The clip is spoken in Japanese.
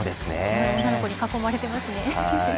女の子に囲まれてますね。